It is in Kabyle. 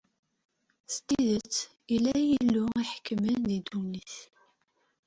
S tidet, illa Yillu iḥekmen di ddunit!